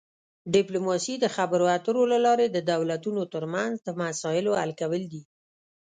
ډیپلوماسي د خبرو اترو له لارې د دولتونو ترمنځ د مسایلو حل کول دي